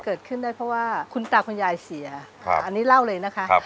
เกิดขึ้นได้เพราะว่าคุณตาคุณยายเสียอันนี้เล่าเลยนะคะ